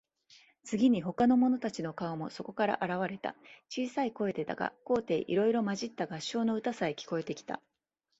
次に、ほかの者たちの顔もそこから現われた。小さい声でだが、高低いろいろまじった合唱の歌さえ、聞こえてきた。